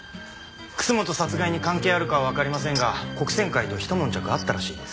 楠本殺害に関係あるかわかりませんが黒扇会とひと悶着あったらしいです。